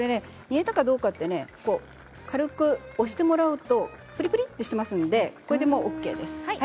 煮えたかどうかって軽く押してもらうとプリプリとしていますのでこれでもうＯＫです。